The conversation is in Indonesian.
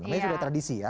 namanya sudah tradisi ya